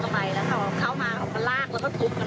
อยู่กันไร่คนค่ะประมาณ๗๘คน